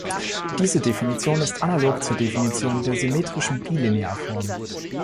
Diese Definition ist analog zur Definition der symmetrischen Bilinearform.